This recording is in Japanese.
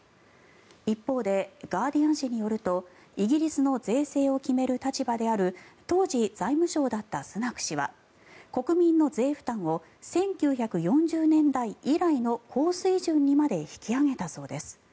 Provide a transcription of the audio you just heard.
一方でガーディアン紙によるとイギリスの税制を決める立場である当時、財務相だったスナク氏は国民の税負担を１９４０年代以来の高水準にまで引き上げたそうです。